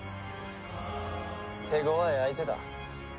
手ごわい相手だ。